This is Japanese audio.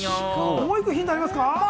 もう１個ヒントあります。